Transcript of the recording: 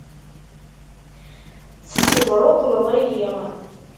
Tessebṛuqleḍ-iyi!